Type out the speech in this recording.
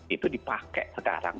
itu dipakai sekarang